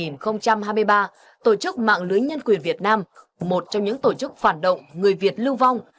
năm hai nghìn hai mươi ba tổ chức mạng lưới nhân quyền việt nam một trong những tổ chức phản động người việt lưu vong